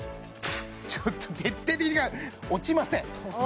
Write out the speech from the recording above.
ちょっと徹底的落ちません